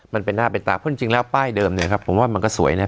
มันเป็นหน้าเป็นตาเพราะจริงแล้วป้ายเดิมเนี่ยครับผมว่ามันก็สวยนะ